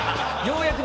ようやく。